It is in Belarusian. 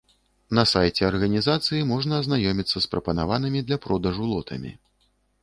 На сайце арганізацыі можна азнаёміцца з прапанаванымі для продажу лотамі.